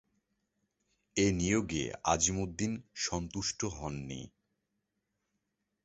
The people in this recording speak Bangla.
এ নিয়োগে আজিমউদ্দীন সন্তুষ্ট হননি।